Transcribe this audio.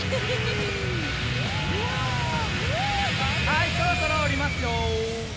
はいそろそろおりますよ。